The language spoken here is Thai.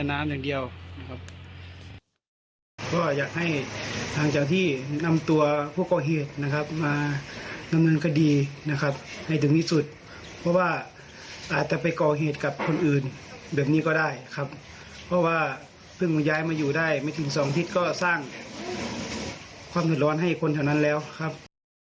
นิดลูกแต่น้ำอย่างเดียวครับ